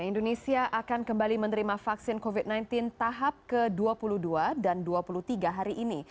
indonesia akan kembali menerima vaksin covid sembilan belas tahap ke dua puluh dua dan ke dua puluh tiga hari ini